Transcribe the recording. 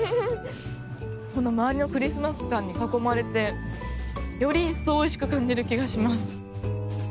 この周りのクリスマス感に囲まれてより一層おいしく感じる気がします。